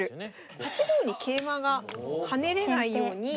８五に桂馬が跳ねれないように。